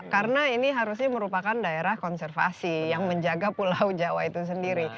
karena ini harusnya merupakan daerah konservasi yang menjaga pulau jawa itu sendiri